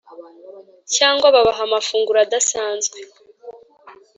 cyangwa babaha amafunguro adasanzwe